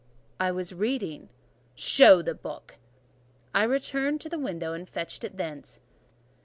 "I was reading." "Show the book." I returned to the window and fetched it thence.